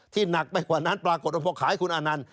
หนักไปกว่านั้นปรากฏว่าพอขายคุณอานันต์